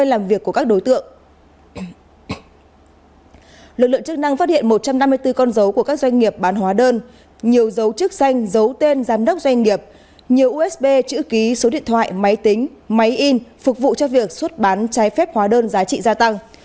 lực lượng chức năng phát hiện một trăm năm mươi bốn con dấu của các doanh nghiệp bán hóa đơn nhiều dấu chức danh dấu tên giám đốc doanh nghiệp nhiều usb chữ ký số điện thoại máy tính máy in phục vụ cho việc xuất bán trái phép hóa đơn giá trị gia tăng